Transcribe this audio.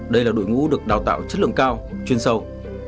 đây là đội ngũ được đào tạo chất lượng cao chuyên sâu